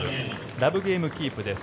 ラブゲームキープです。